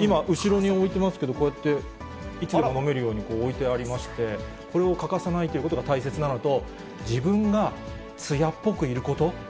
今、後ろに置いてますけど、こうやって、いつも飲めるように置いてありまして、これを欠かさないということが大切なのと、自分がつやっぽくいること。